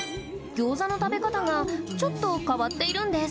餃子の食べ方がちょっと変わっているんです